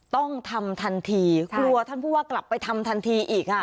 ต้องทำทันทีกลัวท่านผู้ว่ากลับไปทำทันทีอีกอ่ะ